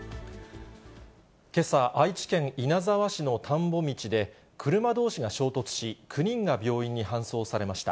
けさ、愛知県稲沢市の田んぼ道で、車どうしが衝突し、９人が病院に搬送されました。